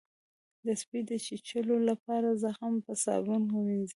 د سپي د چیچلو لپاره زخم په صابون ووینځئ